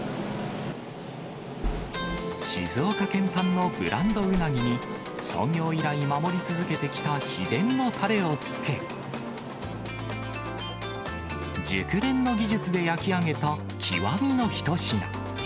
静岡県産のブランドうなぎに、創業以来、守り続けてきた秘伝のたれをつけ、熟練の技術で焼き上げた極みの一品。